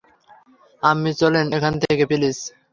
আম্মি চলেন এখান থেকে, প্লিজ।